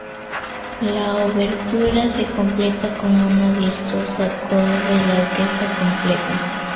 La obertura se completa con una virtuosa coda de la orquesta completa.